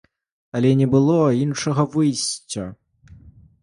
Але не было іншага выйсця.